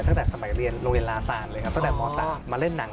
คุณผู้ชมไม่เจนเลยค่ะถ้าลูกคุณออกมาได้มั้ยคะ